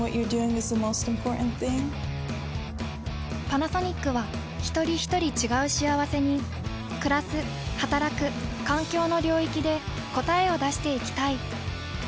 パナソニックはひとりひとり違う幸せにくらすはたらく環境の領域で答えを出していきたい。